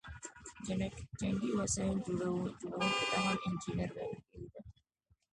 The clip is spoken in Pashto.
جنګي وسایل جوړوونکو ته هم انجینر ویل کیده.